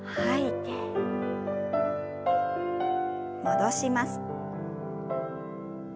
戻します。